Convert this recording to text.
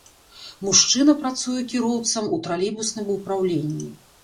Мужчына працуе кіроўцам у тралейбусным упраўленні.